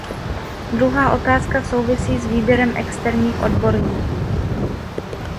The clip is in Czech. Druhá otázka souvisí s výběrem externích odborníků.